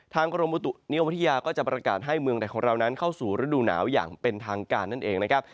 กรมบุตุนิยมวิทยาก็จะประกาศให้เมืองใดของเรานั้นเข้าสู่ฤดูหนาวอย่างเป็นทางการนั่นเองนะครับ